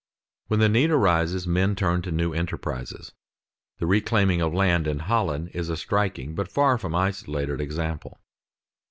_ When the need arises men turn to new enterprises. The reclaiming of land in Holland is a striking but far from isolated example.